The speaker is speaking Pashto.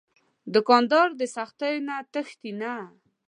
دوکاندار د سختیو نه تښتي نه.